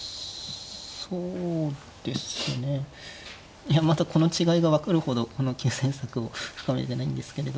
いやまたこの違いが分かるほどこの急戦策を深めてないんですけれど。